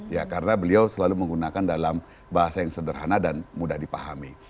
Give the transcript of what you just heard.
ya karena beliau selalu menggunakan dalam bahasa yang sederhana dan mudah dipahami